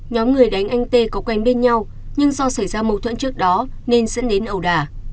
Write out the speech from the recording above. nhóm người đánh anh tê có quen bên nhau nhưng do xảy ra mâu thuẫn trước đó nên dẫn đến ẩu đà